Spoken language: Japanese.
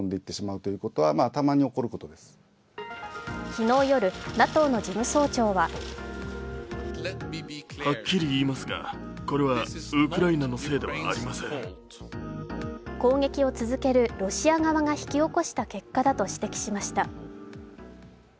昨日夜、ＮＡＴＯの事務総長は攻撃を続けるロシア側が引き起こした結果だと指摘しました。